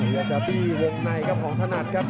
อยากจะบี้วงในครับของถนัดครับ